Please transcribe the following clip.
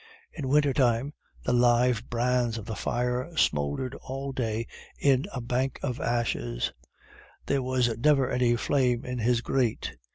In winter time, the live brands of the fire smouldered all day in a bank of ashes; there was never any flame in his grate.